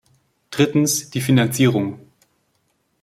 Drittens, die Finanzierung.